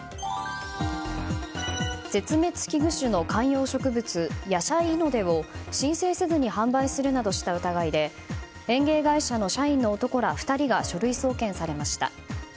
絶滅危惧種の観葉植物ヤシャイノデを申請せずに販売するなどした疑いで園芸会社の社員の男ら２人が書類送検されました。